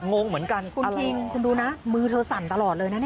งงเหมือนกันคุณคิงคุณดูนะมือเธอสั่นตลอดเลยนะเนี่ย